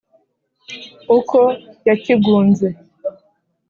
uko yakigunze